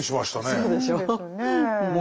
そうでしょう。